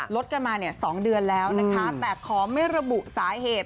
ลดกันมา๒เดือนแล้วแต่ขอไม่ระบุสาเหตุ